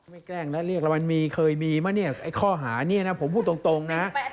ไม่แกล้งนะเรียกว่ามันมีเคยมีมั้ยเนี่ยไอ้ข้อหาเนี่ยนะผมพูดตรงนะ